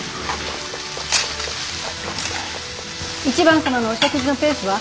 １番様のお食事のペースは？